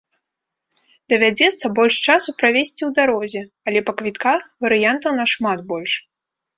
Давядзецца больш часу правесці ў дарозе, але па квітках варыянтаў нашмат больш.